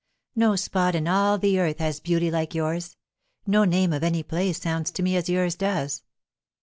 No spot in all the earth has beauty like yours; no name of any place sounds to me as yours does!"